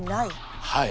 はい。